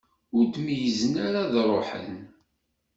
Ur d-meyyzen ara ad ruḥen.